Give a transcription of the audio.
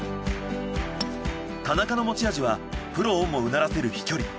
田中の持ち味はプロをもうならせる飛距離。